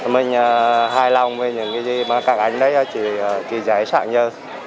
mình hài lòng với những cái gì mà các anh đấy chỉ kỳ giải sẵn nhớ